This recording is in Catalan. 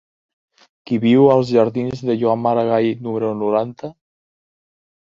Qui viu als jardins de Joan Maragall número noranta?